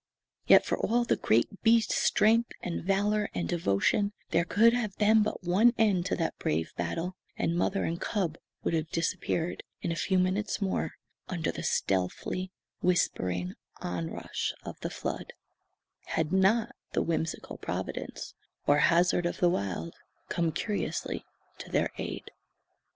Yet for all the great beast's strength, and valour, and devotion, there could have been but one end to that brave battle, and mother and cub would have disappeared, in a few minutes more, under the stealthy, whispering onrush of the flood, had not the whimsical Providence or Hazard of the Wild come curiously to their aid.